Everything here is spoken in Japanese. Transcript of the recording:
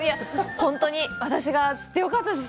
本当に私が釣ってよかったです。